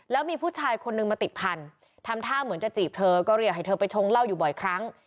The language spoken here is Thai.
แล้วมีผู้ชายคนนึงมาติดพันธุ์ทำท่าเหมือนจะจีบเธอก็เรียกให้เธอไปชงเหล้าอยู่บ่อยครั้ง